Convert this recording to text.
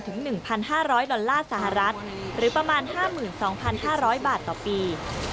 ถึง๑๕๐๐ดอลลาร์สหรัฐหรือประมาณ๕๒๕๐๐บาทต่อปี